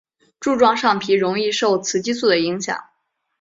柱状上皮容易受雌激素的影响。